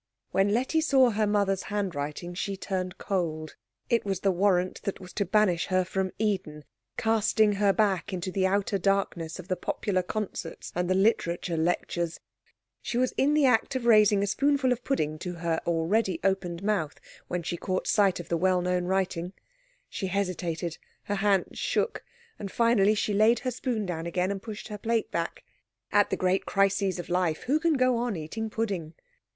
When Letty saw her mother's handwriting she turned cold. It was the warrant that was to banish her from Eden, casting her back into the outer darkness of the Popular Concerts and the literature lectures. She was in the act of raising a spoonful of pudding to her already opened mouth, when she caught sight of the well known writing. She hesitated, her hand shook, and finally she laid her spoon down again and pushed her plate back. At the great crises of life who can go on eating pudding?